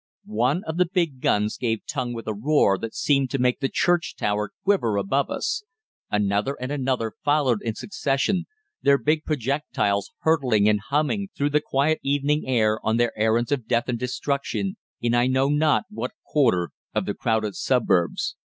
One of the big guns gave tongue with a roar that seemed to make the church tower quiver above us. Another and another followed in succession, their big projectiles hurtling and humming through the quiet evening air on their errands of death and destruction in I know not what quarter of the crowded suburbs.